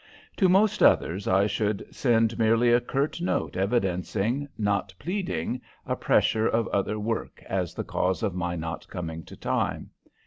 To most others I should send merely a curt note evidencing, not pleading, a pressure of other work as the cause of my not coming to time.